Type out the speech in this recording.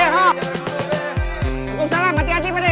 assalamu alaikum waalaikumsalam hati hati pada ya